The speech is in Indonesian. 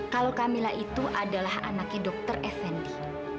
kalau camilla itu adalah anaknya dr effendi